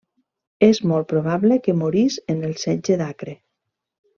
És molt probable que morís en el setge d'Acre.